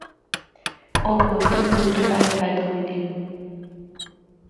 او گوتم بدھ تو پہلا پیدا ہویے دے ہن۔